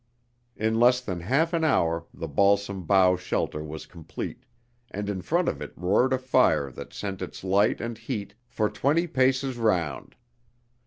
In less than half an hour the balsam bough shelter was complete, and in front of it roared a fire that sent its light and heat for twenty paces round.